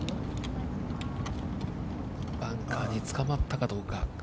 バンカーにつかまったかどうか。